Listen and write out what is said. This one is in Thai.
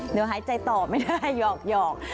หายใจต่อไม่ได้หยอก